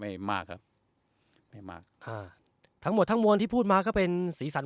ไม่มากครับไม่มากอ่าทั้งหมดทั้งมวลที่พูดมาก็เป็นสีสัน